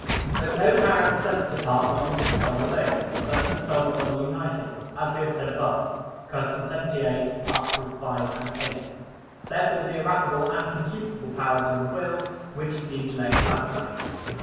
But no power of the sensitive part belongs to the soul alone, but to the soul and body united, as we have said above (Q. 78, AA. 5, 8). Therefore the irascible and concupiscible powers are in the will, which is the intellectual appetite.